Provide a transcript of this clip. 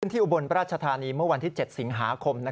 ขึ้นที่อุบรณประชษฐานีเมื่อวันที่๗ศิงหาคม